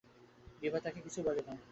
বিভা তাঁহাকে বলে নাই।